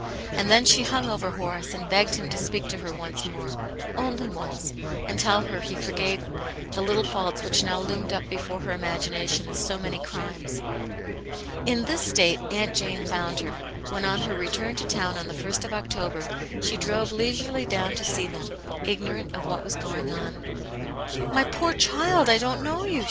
And then she hung over Horace and begged him to speak to her once more, only once, and tell her he forgave the little faults which now loomed up before her imagination as so many crimes. In this state Aunt Jane found her, when on her return to town on the ist of October, she drove leisurely down to see them, ignorant of what was going on. "My poor child, I didn't know you!"